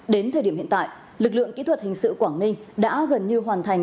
đến thời điểm hiện tại lực lượng kỹ thuật hình sự quảng ninh đã gần như hoàn thành